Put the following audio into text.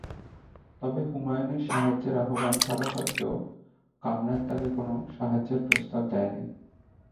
তবে হুমায়ুনের সাহায্যের আহবান থাকা সত্ত্বেও, কামরান তাকে কোনও সাহায্যের প্রস্তাব দেয়নি।